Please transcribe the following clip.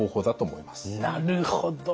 なるほど！